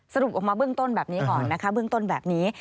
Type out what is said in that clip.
สรุปออกมาเบื้องต้นแบบนี้ก่อนแบบนี้